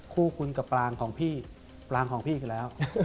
คู่คุณกับปลางของพี่ปรางของพี่คือแล้ว